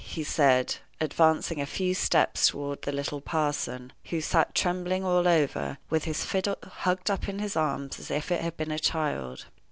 he said, advancing a few steps toward the little parson, who sat trembling all over, with his fiddle hugged up in his arms as if it had been a child.